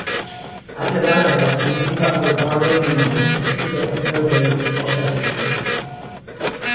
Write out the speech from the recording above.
Adeiladodd nifer o farwniaid siwgr burfeydd prosesu.